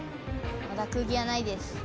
まだクギはないです。